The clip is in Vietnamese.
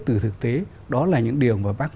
từ thực tế đó là những điều mà bác